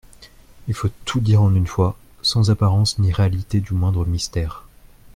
Il faut tout dire en une fois, sans apparence ni réalité du moindre mystère.